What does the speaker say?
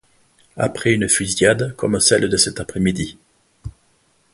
après une fusillade comme celle de cet aprèsmidi.